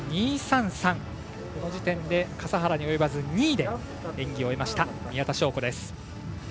この時点で笠原に及ばず２位で演技を終えました、宮田笙子。